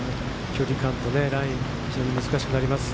距離感とラインが非常に難しくなります。